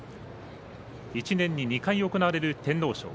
１年に２回行われる天皇賞。